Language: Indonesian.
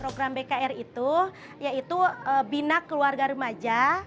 program bkr itu yaitu bina keluarga remaja